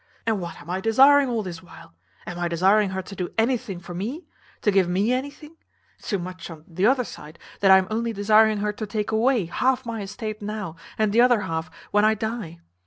And what am I desiring all this while? Am I desiring her to do anything for me? to give me anything? Zu much on t'other side, that I am only desiring her to take away half my estate now, and t'other half when I die.